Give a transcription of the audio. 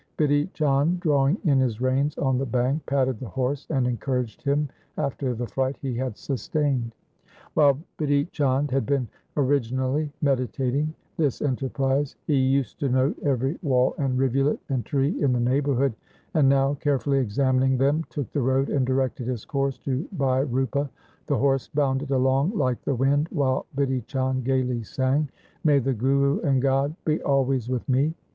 Bidhi Chand drawing in his reins on the bank patted the horse, and encouraged him after the fright he had sustained. 170 THE SIKH RELIGION While Bidhi Chand had been originally meditating this enterprise, he used to note every wall and rivulet and tree in the neighbourhood, and now carefully examining them took the road and directed his course to Bhai Rupa. The horse bounded along like the wind while Bidhi Chand gaily sang — May the Guru and God be always with me